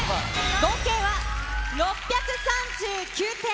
合計は６３９点。